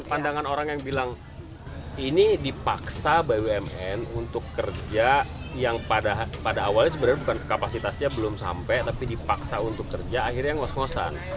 pandangan orang yang bilang ini dipaksa bumn untuk kerja yang pada awalnya sebenarnya bukan kapasitasnya belum sampai tapi dipaksa untuk kerja akhirnya ngos ngosan